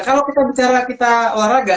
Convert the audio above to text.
kalau kita bicara kita olahraga